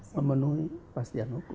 memenuhi pastian hukum